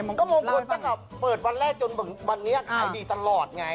ก็มงคลตั้งแต่เปิดวันแรกจนวันนี้ขายดีตลอดไง